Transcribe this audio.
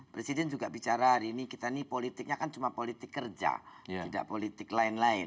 presiden juga bicara hari ini kita ini politiknya kan cuma politik kerja tidak politik lain lain